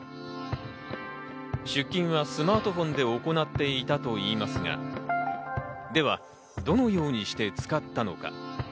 出金はスマートフォンで行っていたといいますが、では、どのようにして使ったのか？